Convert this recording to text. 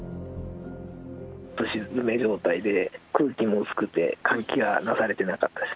すし詰め状態で、空気も薄くて換気がなされてなかったです。